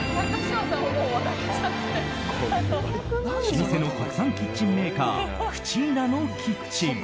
老舗の国産キッチンメーカークチーナのキッチン。